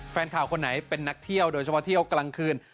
แฟนข่าวคนไหนเป็นนักเที่ยวโดยเฉพาะเที่ยวกลางคืน